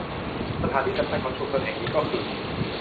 สถานที่สำคัญของชุมชนแห่งนี้ก็คือ